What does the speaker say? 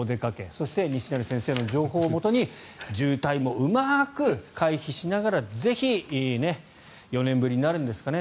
そして西成先生の情報をもとに渋滞もうまく回避しながらぜひ、４年ぶりになるんですかね